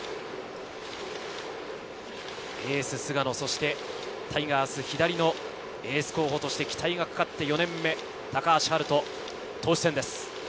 エース・菅野、タイガース左のエース候補として期待がかかって４年目、高橋遥人、投手戦です。